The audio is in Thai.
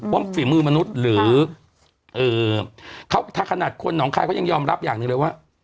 เพราะว่าฝีมือมนุษย์หรือคำถามคนของใครยังยอมรับอย่างนึงเลยว่า